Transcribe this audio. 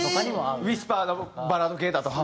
ウィスパーなバラード系だと。